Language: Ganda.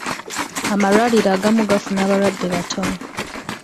Amalwaliro agamu gafuna abalwadde batono.